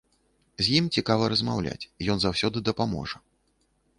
З ім цікава размаўляць, ён заўсёды дапаможа.